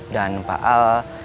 dan pak al